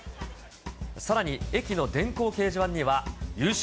さらに駅の電光掲示板には優勝！